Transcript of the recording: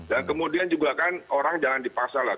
dan kemudian juga kan orang jangan dipaksa lah